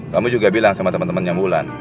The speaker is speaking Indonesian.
kamu juga bilang sama temen temennya ulan